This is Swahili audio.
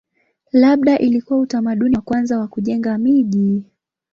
Labda ilikuwa utamaduni wa kwanza wa kujenga miji.